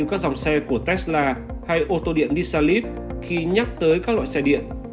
của tesla hay ô tô điện nissan leaf khi nhắc tới các loại xe điện